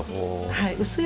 はい。